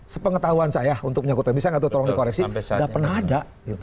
sepengetahuan saya untuk menyokotan misalnya nggak tuh tolong dikoreksi nggak pernah ada